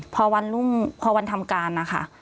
พอวันรุ่งพอวันทำการนะคะ